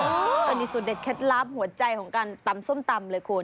อันนี้สูตรเด็ดเคล็ดลับหัวใจของการตำส้มตำเลยคุณ